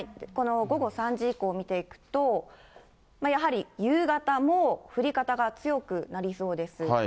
このごご３時以降を見ていくと、やはり夕方も降り方が強くなりそうです。